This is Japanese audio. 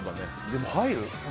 でも、入る？